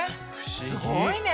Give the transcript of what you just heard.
すごいね。